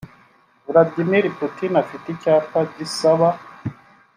Vladimir Putin afite icyapa gisaba